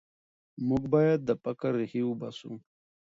موږ باید د فقر ریښې وباسو.